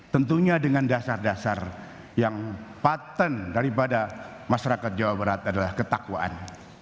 tentunya dengan dasar dasar yang patent daripada masyarakat jawa barat adalah ketakwaan